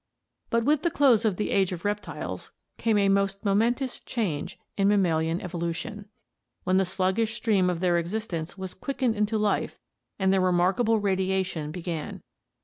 But with the close of the Age of Reptiles came a most momentous change in mammalian evolution, when the sluggish stream of their existence was quickened into life and their remarkable radiation began.